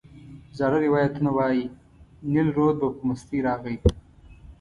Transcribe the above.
زاړه روایتونه وایي نیل رود به په مستۍ راغی.